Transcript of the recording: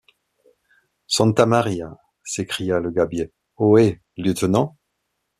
Santa Maria! s’écria le gabier. — Ohé ! lieutenant?